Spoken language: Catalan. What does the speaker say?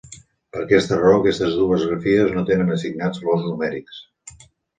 Per aquesta raó aquestes dues grafies no tenen assignats valors numèrics.